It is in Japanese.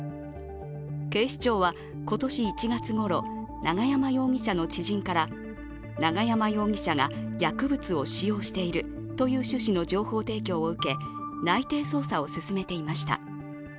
警視庁は今年１月ごろ、永山容疑者の知人から永山容疑者が薬物を使用しているという趣旨の情報提供を受け、内偵捜査を進めていました。